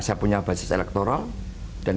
saya punya basis elektoral dan